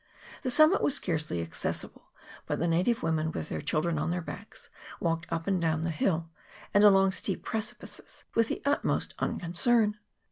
The summit was scarcely accessible, but the native women, with their children on their backs, walked up and down the hill, and along steep precipices, with the utmost unconcern.